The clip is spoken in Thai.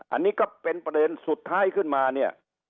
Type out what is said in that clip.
อันนี้ก็เป็นประเด็นสุดท้ายขึ้นมาเนี่ย